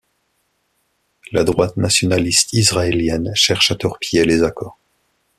La droite nationaliste israélienne cherche à torpiller les accords.